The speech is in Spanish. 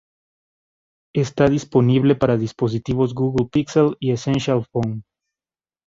Está disponible para dispositivos Google Pixel y Essential Phone.